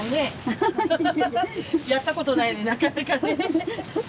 やったことないのになかなかね。